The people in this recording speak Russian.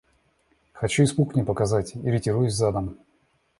Хочу испуг не показать — и ретируюсь задом.